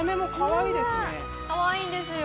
かわいいんですよ。